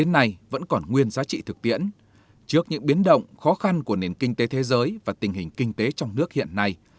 nâng cao quyền giá trị thực tiễn trước những biến động khó khăn của nền kinh tế thế giới và tình hình kinh tế trong nước hiện nay